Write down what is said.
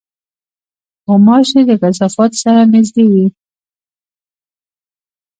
غوماشې د کثافاتو سره نزدې وي.